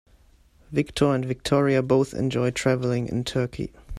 Victor and Victoria both enjoy traveling in Turkey.